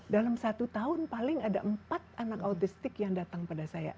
dalam satu tahun paling ada empat anak autistik yang datang pada saya